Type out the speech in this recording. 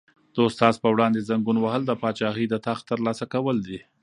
د استاد په وړاندې زنګون وهل د پاچاهۍ د تخت تر لاسه کول دي.